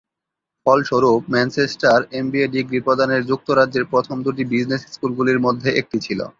ফলস্বরূপ, Manchester MBA degree প্রদানের যুক্তরাজ্যের প্রথম দুটি বিজনেস স্কুলগুলির মধ্যে একটি ছিল।